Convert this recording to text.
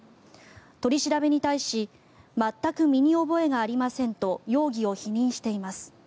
取り調べに対し全く身に覚えがありませんと容疑を否認しています。